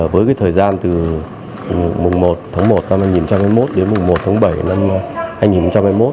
với thời gian từ mùng một tháng một năm hai nghìn hai mươi một đến mùng một tháng bảy năm hai nghìn hai mươi một